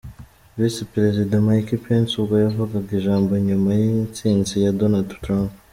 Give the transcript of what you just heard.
Visi Perezida Mike Pence ubwo yavugaga ijambo nyuma y'intsinzi ya Donald Trump.